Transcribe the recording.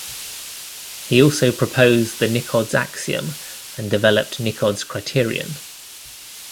He also proposed the Nicod's axiom and developed Nicod's criterion.